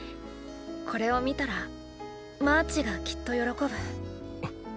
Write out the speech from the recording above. これを見たらマーチがきっと喜ぶ。！